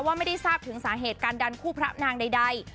ว่าไม่ได้ทราบถึงสาเหตุการดันคู่พระนางใด